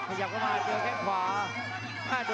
ประโยชน์ทอตอร์จานแสนชัยกับยานิลลาลีนี่ครับ